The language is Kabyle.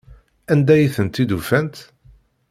Anda ay tent-id-ufant?